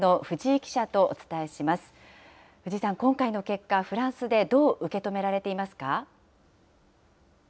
藤井さん、今回の結果、フランスでどう受け止められていますか？